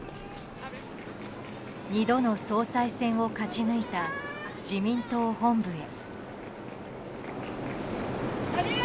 ２度の総裁選を勝ち抜いた自民党本部へ。